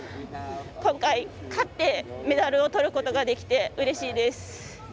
今回、勝ってメダルをとることができてうれしいです。